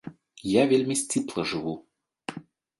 Я вельмі сціпла жыву.